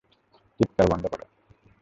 চিৎকার বন্ধ কর!